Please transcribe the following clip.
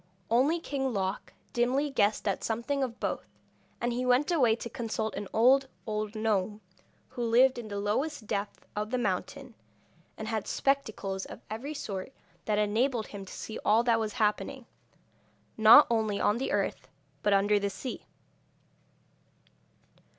Only King Loc dimly guessed at something of both, and he went away to consult an old, old gnome, who lived in the lowest depth of the mountain, and had spectacles of every sort, that enabled him to see all that was happening, not only on the earth, but under the sea.